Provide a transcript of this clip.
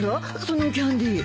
そのキャンディー。